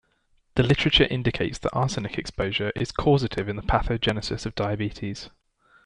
The literature indicates that arsenic exposure is causative in the pathogenesis of diabetes.